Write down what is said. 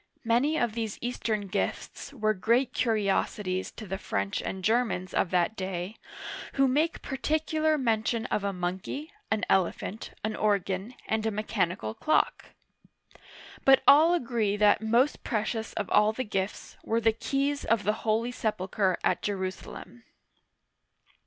Many of these Eastern gifts were great curiosities to the French and Germans of that day, who make par ticular mention of a monkey, an elephant, an organ, and . a mechanical clock ; but all agree that most precious of all the gifts were the keys of the Holy Sepulcher at Jerusalem.